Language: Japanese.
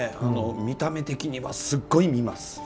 見た目的にはすごい見ます。